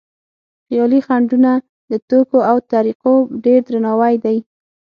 خیالي خنډونه د توکو او طریقو ډېر درناوی دی.